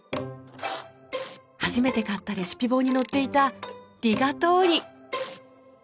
初めて買ったレシピ本に載っていたリガトーニ！